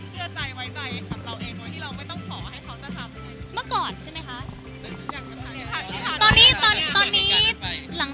โชคดีมากค่ะโชคดีมาก